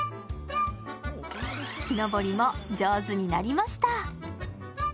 木登りも上手になりました。